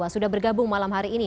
sudah bergabung malam hari ini